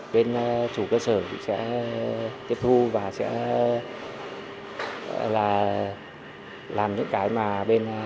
bên chủ cơ sở sẽ tiếp thu và sẽ là làm những cái mà bên